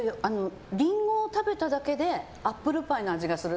リンゴを食べただけでアップルパイの味がする。